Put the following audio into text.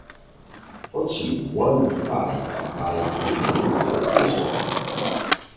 Ochi won the fight by unanimous decision.